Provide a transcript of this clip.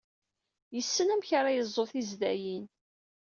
Yessen amek ara yeẓẓu tizdayin.